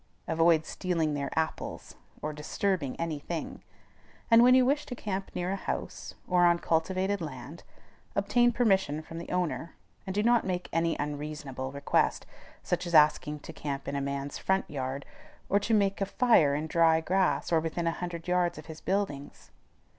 Avoid stealing their apples, or disturbing any thing; and when you wish to camp near a house, or on cultivated land, obtain permission from the owner, and do not make any unreasonable request, such as asking to camp in a man's front yard, or to make a fire in dry grass or within a hundred yards of his buildings.